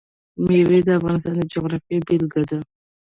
مېوې د افغانستان د جغرافیې بېلګه ده.